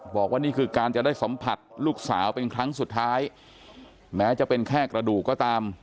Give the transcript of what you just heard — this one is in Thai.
บอกว่านี่คือการจะได้สัมผัสลูกสาวเป็นครั้งสุดท้ายแม้จะเป็นแค่กระดูกก็ตาม